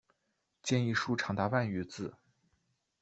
建议书长达万余字。